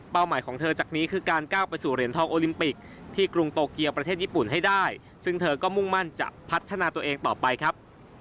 หมายของเธอจากนี้คือการก้าวไปสู่เหรียญทองโอลิมปิกที่กรุงโตเกียวประเทศญี่ปุ่นให้ได้ซึ่งเธอก็มุ่งมั่นจะพัฒนาตัวเองต่อไปครับ